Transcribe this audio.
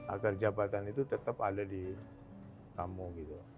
agar jabatan itu tetap ada di kamu gitu